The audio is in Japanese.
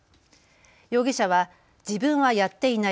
容疑者は自分はやっていない。